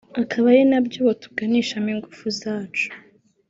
akaba ari nabyo ubu tuganishamo ingufu zacu